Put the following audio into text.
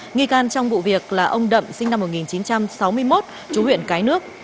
nghi can trong vụ việc là ông đậm sinh năm một nghìn chín trăm sáu mươi một chú huyện cái nước